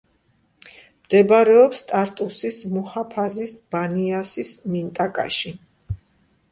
მდებარეობს ტარტუსის მუჰაფაზის ბანიასის მინტაკაში.